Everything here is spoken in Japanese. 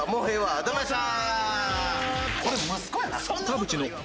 ありがとうございます。